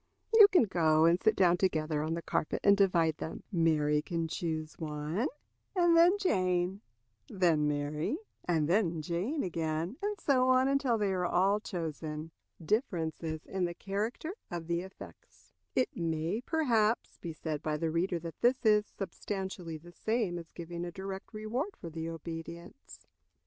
You can go and sit down together on the carpet and divide them. Mary can choose one, and then Jane; then Mary, and then Jane again; and so on until they are all chosen." Difference in the Character of the Effects. It may, perhaps, be said by the reader that this is substantially the same as giving a direct reward for the obedience.